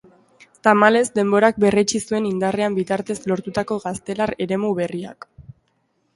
Tamalez, denborak berretsi zuen indarraren bitartez lortutako gaztelar eremu berriak.